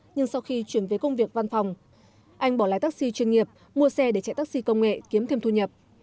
nhưng sau khi chuyển về công việc văn phòng anh bỏ lái taxi chuyên nghiệp mua xe để chạy taxi công nghệ kiếm thêm thu nhập